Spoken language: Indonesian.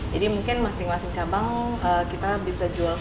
jadi mungkin masing masing cabang kita bisa jual seribu sus